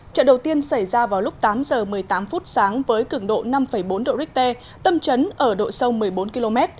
trận đầu tiên xảy ra vào lúc tám giờ một mươi tám phút sáng với cứng độ năm bốn độ richter tâm chấn ở độ sâu một mươi bốn km